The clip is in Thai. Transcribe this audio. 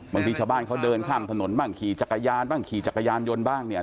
บางทีชาวบ้านเขาเดินข้ามถนนบ้างขี่จักรยานบ้างขี่จักรยานยนต์บ้างเนี่ย